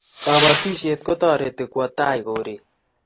kabotishee kutoreti kuwo tai koree